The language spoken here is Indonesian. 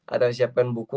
atau siapkan buku